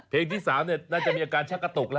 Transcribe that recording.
เพลงที่สามเนี่ยน่าจะมีอาการชักกระตุกละ